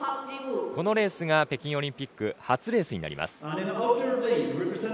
このレースが北京オリンピックの初レースになります。